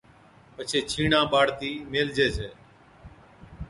پڇي ڇِيڻا ٻاڙتِي ميلهجي ڇَي